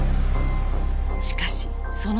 しかしその時。